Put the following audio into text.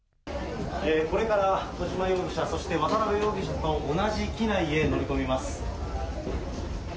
これから小島容疑者、そして渡辺容疑者と同じ機内へ乗り込みます。